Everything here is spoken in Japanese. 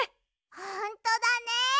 ほんとだね。